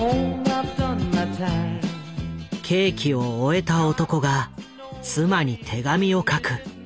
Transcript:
刑期を終えた男が妻に手紙を書く。